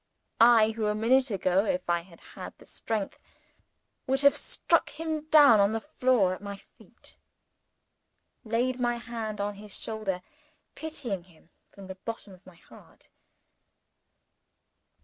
I who a minute ago, if I had had the strength, would have struck him down on the floor at my feet laid my hand on his shoulder, pitying him from the bottom of my heart.